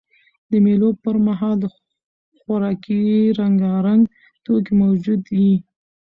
د مېلو پر مهال خوراکي رنګارنګ توکي موجود يي.